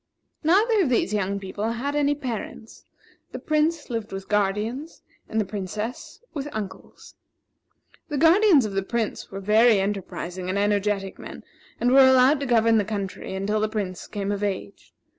Neither of these young people had any parents; the Prince lived with guardians and the Princess with uncles. The guardians of the Prince were very enterprising and energetic men, and were allowed to govern the country until the Prince came of age.